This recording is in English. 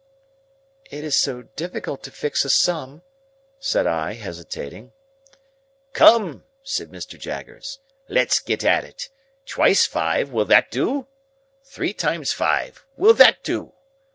"It is so difficult to fix a sum," said I, hesitating. "Come!" said Mr. Jaggers. "Let's get at it. Twice five; will that do? Three times five; will that do?